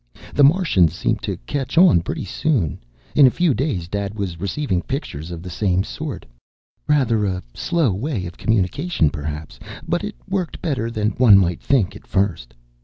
The Martians seemed to catch on pretty soon; in a few days Dad was receiving pictures of the same sort. "Rather a slow way of communication, perhaps. But it worked better than one might think at first.